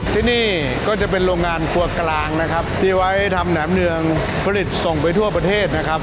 ที่นี่ก็จะเป็นโรงงานครัวกลางนะครับที่ไว้ทำแหนมเนืองผลิตส่งไปทั่วประเทศนะครับ